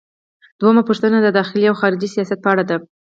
دوهمه پوښتنه د داخلي او خارجي سیاست په اړه ده.